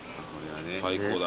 最高だ。